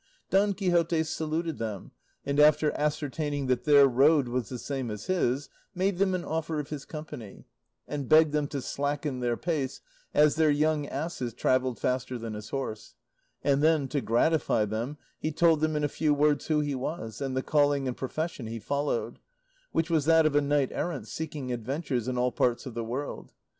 Don Quixote saluted them, and after ascertaining that their road was the same as his, made them an offer of his company, and begged them to slacken their pace, as their young asses travelled faster than his horse; and then, to gratify them, he told them in a few words who he was and the calling and profession he followed, which was that of a knight errant seeking adventures in all parts of the world.